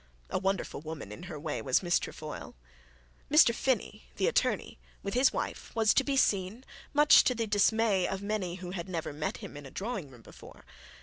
A wonderful woman in her way was Miss Trefoil. Mr Finnie, the attorney, with his wife, was to be seen, much to the dismay of many who had never met him in a drawing room before.